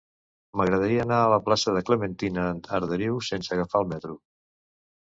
M'agradaria anar a la plaça de Clementina Arderiu sense agafar el metro.